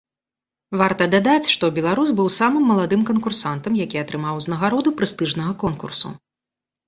Варта дадаць, што беларус быў самым маладым канкурсантам, які атрымаў узнагароду прэстыжнага конкурсу.